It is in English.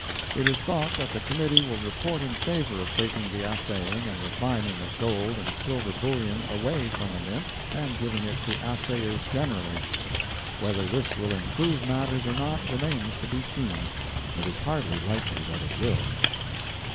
It is thought that the committee will report in favor of taking the assaying and refining of gold and silver bullion away from the Mint and giving it to assayers generally. Whether this will improve matters or not, remains to be seen. It is hardly likely that it will.